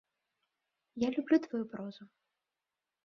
Я люблю тваю прозу.